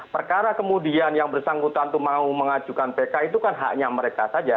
perkara kemudian yang bersangkutan itu mau mengajukan pk itu kan haknya mereka saja